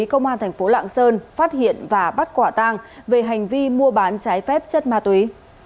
công an tp lạng sơn phát hiện và bắt quả tàng về hành vi mua bán trái phép chất ma túy